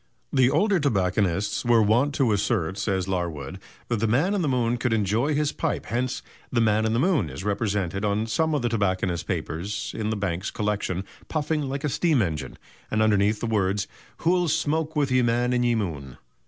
The older tobacconists were wont to assert, says Larwood, that the man in the moon could enjoy his pipe, hence "the 'Man in the Moon' is represented on some of the tobacconists' papers in the Banks Collection puffing like a steam engine, and underneath the words, 'Who'll smoake with ye Man in ye Moone?'"